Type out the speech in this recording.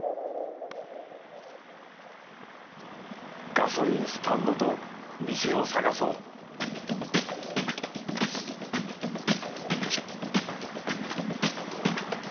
ガソリンスタンドと店を探そうよいしょ。